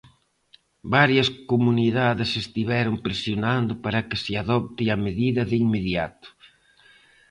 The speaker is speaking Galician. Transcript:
Varias comunidades estiveron presionando para que se adopte a medida de inmediato.